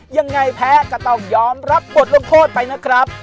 ยังไงแพ้ก็ต้องยอมรับบทลงโทษไปนะครับ